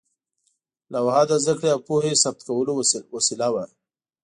لوحه د زده کړې او پوهې ثبت کولو وسیله وه.